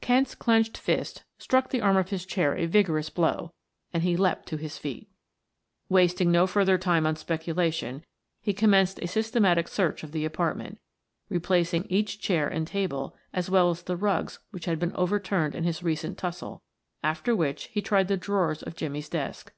Kent's clenched fist struck the arm of his, chair a vigorous blow and he leapt to his feet. Wasting no further time on speculation, he commenced a systematic search of the apartment, replacing each chair and table as well as the rugs which had been over turned in his recent tussle, after which he tried the drawers of Jimmie's desk.